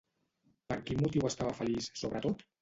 Per quin motiu estava feliç, sobretot?